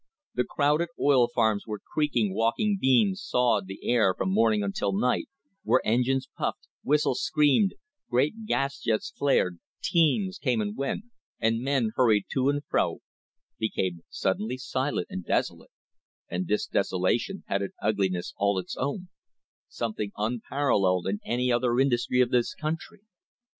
The crowded oil farms where creaking walking beams sawed the air from morning until night, where engines puffed, whistles screamed, great gas jets flared, teams came and went, and men hurried to and fro, became suddenly silent and desolate, and this desolation had an ugliness all its own — something unpar alleled in any other industry of this country.